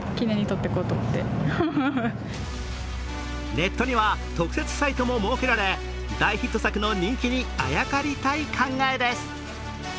ネットには特設サイトも設けられ大ヒット作の人気にあやかりたい考えです。